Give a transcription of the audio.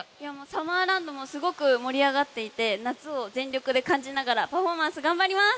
サマーランドもすごく盛り上がっていて夏を全力で感じながらパフォーマンス頑張ります。